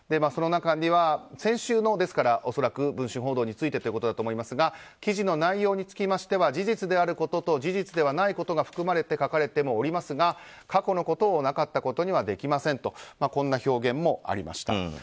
その中には、先週の「文春」報道についてだと思いますが記事の内容につきましては事実であることと事実ではないことが含まれて書かれてもおりますが過去のことをなかったことにはできませんとこんな表現もありました。